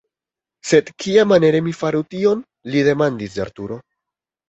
"Sed kiamaniere mi faru tion?!" Li demandis de Arturo!